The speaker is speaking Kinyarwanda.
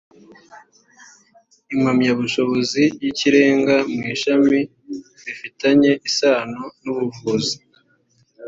impamyabushobozi y ikirenga mw ishami rifitanye isano n ubuvuzi